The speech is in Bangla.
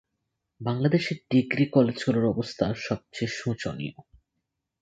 বাংলাদেশের ডিগ্রি কলেজগুলোর অবস্থা সবচেয়ে শোচনীয়।